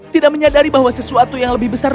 tidak menyadari bahwa sesuatu yang lebih besar